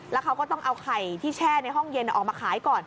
แล้วเขาก็ต้องเอาไข่ที่แช่ในห้องเย็นออกมาขายก่อน